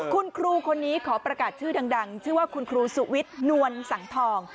คุณครูคนนี้ขอประกาศชื่อดังชื่อว่าคุณครูสุวิทย์นวลสังทอง